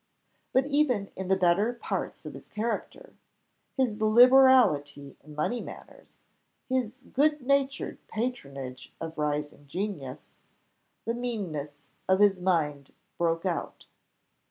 But even in the better parts of his character, his liberality in money matters, his good natured patronage of rising genius, the meanness of his mind broke out.